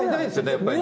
やっぱりね。